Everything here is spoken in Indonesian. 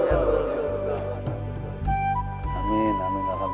kalo ikat jalan jalan salam salam